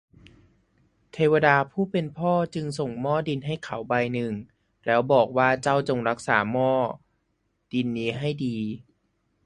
เทวดาผู้เป็นพ่อจึงส่งหม้อดินให้เขาใบหนึ่ง แล้วบอกว่า เจ้าจงรักษาหม้อดินนี้ให้ดี